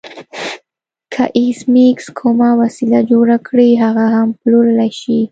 که ایس میکس کومه وسیله جوړه کړي هغه هم پلورلی شي